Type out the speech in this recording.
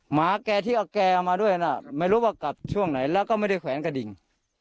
หมาแกที่เอาแกมาด้วยนะไม่รู้ว่ากัดช่วงไหนแล้วก็ไม่ได้แขวนกระดิ่ง